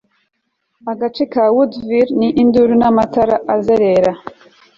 Agace ka Woodsville ni induru namatara azerera